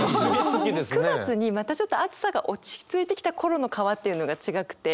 ９月にまたちょっと暑さが落ち着いてきた頃の川っていうのが違くて。